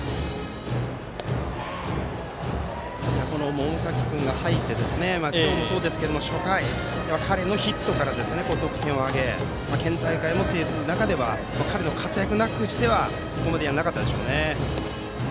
百崎君が入って今日もそうですけど初回に彼のヒットから得点を挙げ県大会も制す中では彼の活躍なくしてはここまではなかったでしょうね。